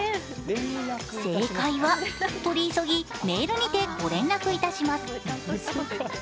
正解は「取り急ぎメールにてご連絡いたします」。